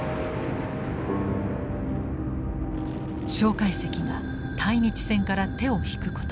介石が対日戦から手を引くこと。